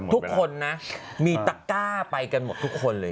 ทุกคนนะมีตะก้าไปกันหมดทุกคนเลย